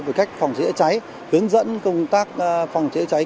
về cách phòng chữa cháy hướng dẫn công tác phòng chữa cháy